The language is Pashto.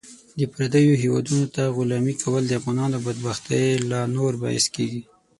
د پردیو هیوادونو ته غلامي کول د افغانانو د بدبختۍ لا نور باعث کیږي .